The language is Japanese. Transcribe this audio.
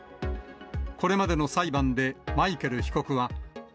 これまでの裁判でマイケル被告は。